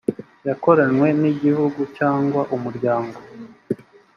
yakoranywe n igihugu cyangwa umuryango